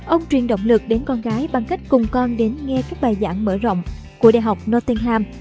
ông truyền động lực đến con gái bằng cách cùng con đến nghe các bài giảng mở rộng của đại học nottingham